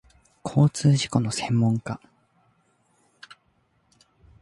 交通事故の専門家